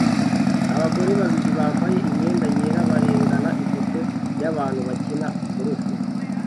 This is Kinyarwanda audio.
Abagore babiri bambaye imyenda yera barengana ifoto yabantu bakina golf